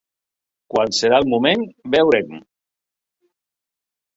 Quan serà el moment, veurem.